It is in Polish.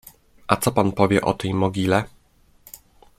— A co pan powie o tej mogile?